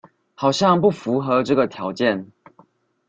好像不符合這個條件